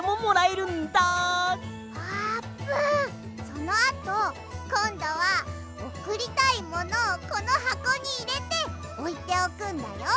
そのあとこんどはおくりたいものをこのはこにいれておいておくんだよ。